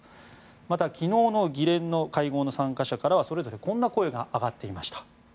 また、昨日の議連の会合の参加者からはそれぞれこんな声が上がっていました。